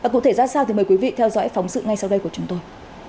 cụ thể ra sao thì mời quý vị theo dõi phóng sự ngay sau đây của chúng tôi